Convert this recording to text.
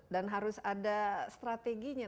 dan harus ada strateginya